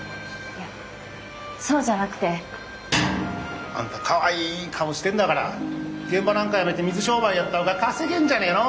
いやそうじゃなくて。あんたかわいい顔してんだから現場なんかやめて水商売やった方が稼げんじゃねえの？